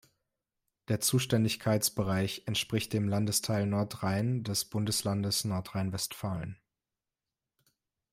Der Zuständigkeitsbereich entspricht dem Landesteil Nordrhein des Bundeslandes Nordrhein-Westfalen.